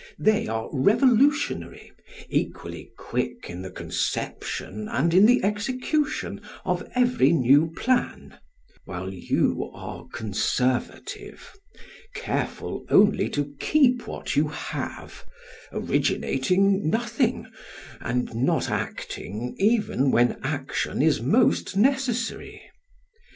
They are revolutionary, equally quick in the conception and in the execution of every new plan; while you are conservative careful only to keep what you have, originating nothing, and not acting even when action is most necessary.